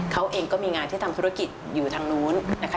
เขาเองก็มีงานที่ทำธุรกิจอยู่ทางนู้นนะคะ